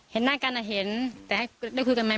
เห็นหน้ากันเห็นแต่ให้ได้คุยกันไหม